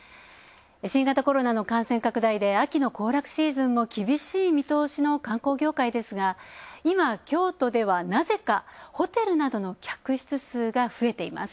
新型コロナの感染拡大で秋の行楽シーズンも厳しい見通しの観光業界ですが今、京都ではなぜかホテルなどの客室数が増えています。